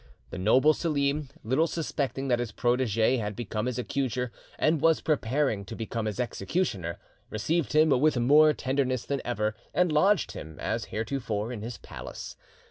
The noble Selim, little suspecting that his protege had become his accuser and was preparing to become his executioner, received him with more tenderness than ever, and lodged him, as heretofore, in his palace.